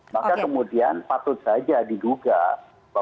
maka kemudian patut saja diduga